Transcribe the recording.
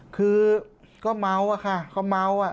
คือก็เมาส์อ่ะค่ะเขาเมาส์อ่ะ